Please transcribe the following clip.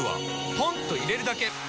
ポンと入れるだけ！